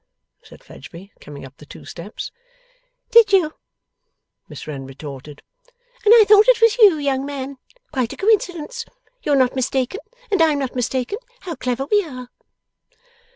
said Fledgeby, coming up the two steps. 'Did you?' Miss Wren retorted. 'And I thought it was you, young man. Quite a coincidence. You're not mistaken, and I'm not mistaken. How clever we are!